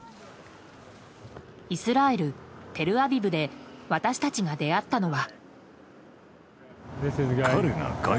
イスラエル・テルアビブで私たちが出会ったのは。